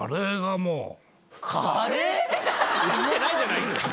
映ってないじゃないですか。